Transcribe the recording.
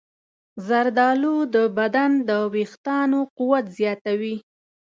زردالو د بدن د ویښتانو قوت زیاتوي.